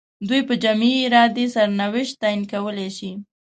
دوی په جمعي ارادې سرنوشت تعیین کولای شي.